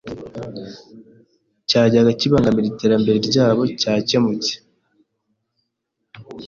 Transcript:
cyajyaga kibangamira iterambere ryabo cyakemutse